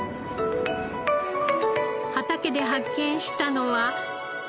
畑で発見したのは。